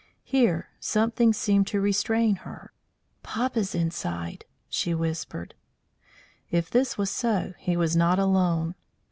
Here something seemed to restrain her. "Papa's inside," she whispered. If this was so, he was not alone.